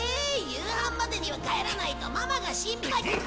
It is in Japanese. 夕飯までには帰らないとママが心配。